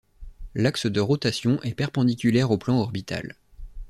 L'axe de rotation est perpendiculaire au plan orbital.